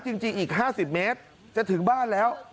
จริงอีก๕๐เมตรจะถึงบ้านแล้ว